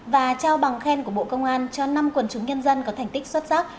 và trao bằng khen của bộ công an cho năm quần chúng nhân dân có thành tích xuất sắc